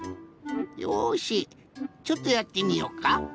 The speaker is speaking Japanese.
よしちょっとやってみようか。